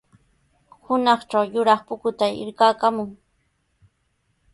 Hunaqtraw yuraq pukutay rikakaamun.